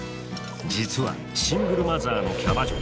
実はシングルマザーのキャバ嬢。